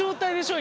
今。